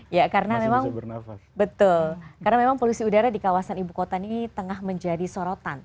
ya karena memang polusi udara di kawasan ibu kota ini tengah menjadi sorotan